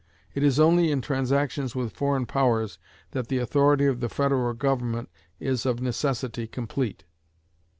It is only in transactions with foreign powers that the authority of the federal government is of necessity complete.